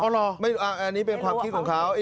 อันนี้เป็นความคิดของเขา